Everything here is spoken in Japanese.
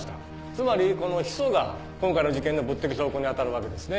つまりこのヒ素が今回の事件の物的証拠に当たるわけですね。